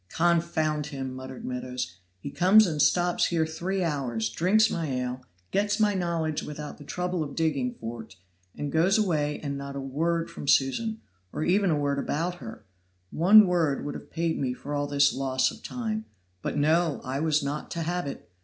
"Confound him!" muttered Meadows; "he comes and stops here three hours, drinks my ale, gets my knowledge without the trouble of digging for't, and goes away, and not a word from Susan, or even a word about her one word would have paid me for all this loss of time but no, I was not to have it.